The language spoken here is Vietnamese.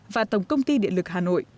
và tổng công ty địa lực hà nội